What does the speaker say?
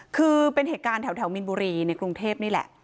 คือเป็นเหตุการณ์แถวมินบุรีในกรุงเทพนี่แหละ